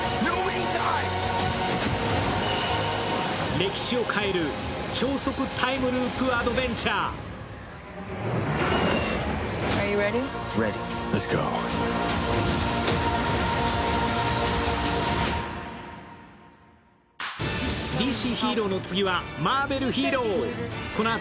歴史を変える超速タイムループ・アドベンチャー「日清